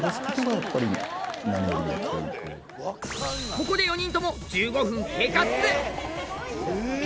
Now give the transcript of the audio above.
ここで４人とも１５分経過っす！